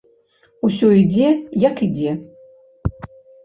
Усё ідзе, як ідзе.